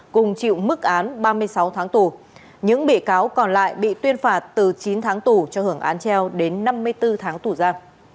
cùng chịu mức án ba mươi sáu tháng tù những bị cáo còn lại bị tuyên phạt từ chín tháng tù cho hưởng án treo đến năm mươi bốn tháng tù ra